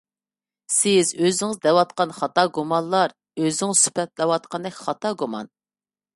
سىز ئۆزىڭىز دەۋاتقان خاتا گۇمانلار ئۆزىڭىز سۈپەتلەۋاتقاندەك خاتا گۇمان.